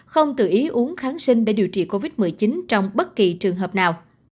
không tự ý uống kháng sinh để điều trị covid một mươi chín trong bất kỳ trường hợp nào